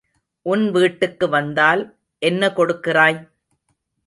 உன் வீட்டுக்கு வந்தால் என்ன கொடுக்கிறாய்?